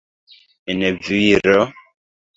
En viro?